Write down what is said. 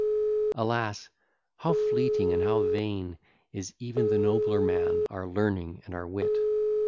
XI Alas, how fleeting and how vain Is even the nobler man, our learning and our wit!